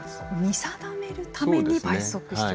見定めるために倍速視聴する。